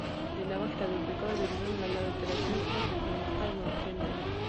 د نوښت او ابتکار د روزنې له لارې د راتلونکي نسل پرمختګ ممکن دی.